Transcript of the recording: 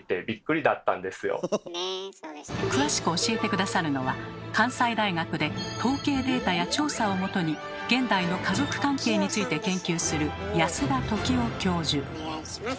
詳しく教えて下さるのは関西大学で統計データや調査をもとに現代の家族関係について研究するただいま。